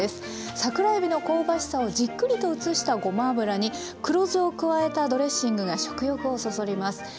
桜えびの香ばしさをじっくりと移したごま油に黒酢を加えたドレッシングが食欲をそそります。